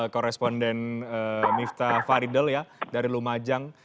koresponden miftah faridl ya dari rumacang